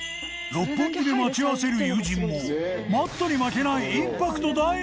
六本木で待ち合わせる友人も Ｍａｔｔ に負けないインパクト大の方々